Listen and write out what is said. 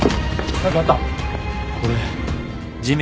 これ。